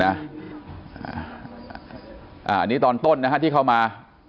อันนี้ตอนต้นนะฮะที่เข้ามา